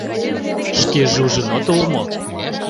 — Шкеже ужын отыл мо?